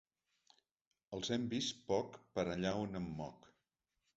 Els hem vists poc per allà on em moc.